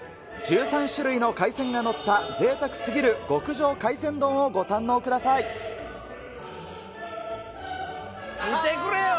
１３種類の海鮮が載ったぜいたくすぎる極上海鮮丼をご堪能くださ見てくれよ。